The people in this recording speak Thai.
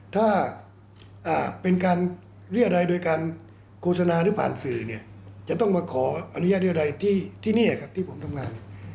ถ้าเป็นการเรียรัยโดยการโฆษณาหรือผ่านสื่อเนี่ยจะต้องมาขออนุญาตเรียรัยที่นี่ครับที่ผมทำงาน